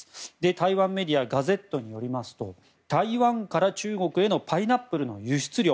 台湾メディアガゼットによりますと台湾から中国へのパイナップルの輸出量